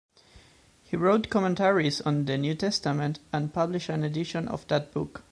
He wrote commentaries on the "New Testament" and published an edition of that book.